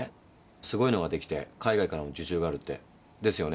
すごいのが出来て海外からも受注があるって。ですよね？